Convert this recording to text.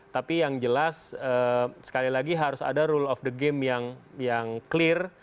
tapi yang jelas sekali lagi harus ada rule of the game yang clear